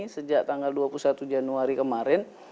sejak tanggal dua puluh satu januari kemarin